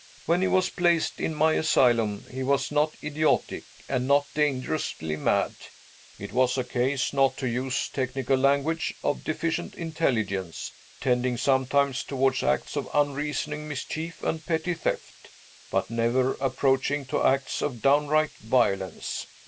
When he was placed in my asylum, he was not idiotic, and not dangerously mad it was a case (not to use technical language) of deficient intelligence, tending sometimes toward acts of unreasoning mischief and petty theft, but never approaching to acts of downright violence.